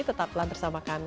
tetaplah bersama kami